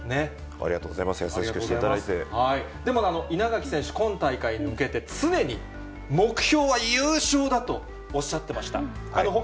ありがとうございます、でも、稲垣選手、今大会に向けて、常に目標は優勝だとおっしゃってました。